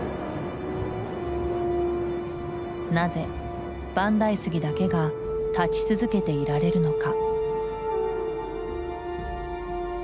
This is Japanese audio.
なぜ万代杉だけが立ち続けていられるのか？